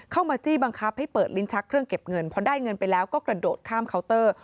มาจี้บังคับให้เปิดลิ้นชักเครื่องเก็บเงินพอได้เงินไปแล้วก็กระโดดข้ามเคาน์เตอร์